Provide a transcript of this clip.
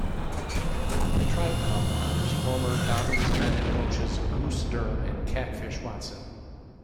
The Tribe Cup honors former Dobyns-Bennett coaches "Goose" Durham and "Catfish" Watson.